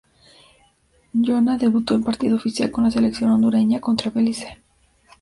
Jona debutó en partido oficial con la selección hondureña contra Belice.